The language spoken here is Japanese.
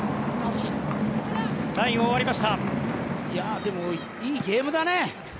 でもいいゲームだね。